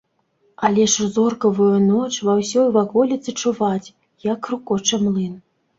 Але ж у зоркавую ноч ва ўсёй ваколіцы чуваць, як грукоча млын.